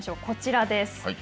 こちらです。